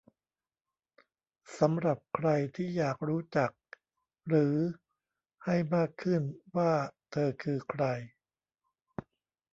สำหรับใครที่อยากรู้จัก หรือ ให้มากขึ้น ว่าเธอคือใคร